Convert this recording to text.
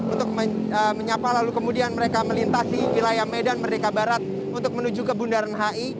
untuk menyapa lalu kemudian mereka melintasi wilayah medan merdeka barat untuk menuju ke bundaran hi